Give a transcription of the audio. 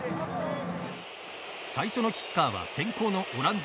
最初のキッカーは先攻のオランダ。